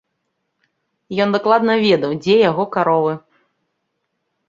Ён дакладна ведаў, дзе яго каровы.